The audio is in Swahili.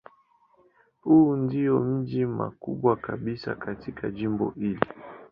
Huu ndiyo mji mkubwa kabisa katika jimbo hili.